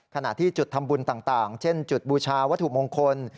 ขณะที่จุดทำบุญต่างเช่นจุดบูชาวัตถุมงคล